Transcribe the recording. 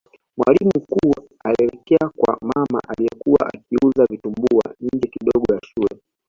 mwalimu mkuu alielekea kwa mama aliyekuwa akiuza vitumbua nje kidogo ya shule